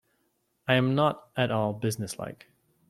I am not at all business-like.